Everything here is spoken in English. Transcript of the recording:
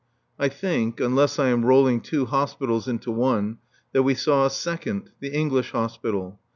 I think, unless I am rolling two hospitals into one, that we saw a second the English Hospital.